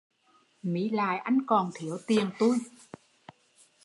Mí lại anh còn thiếu tiền tui